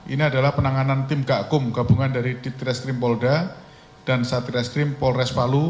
ini adalah penanganan tim gakum gabungan dari ditreskrim polda dan satreskrim polres palu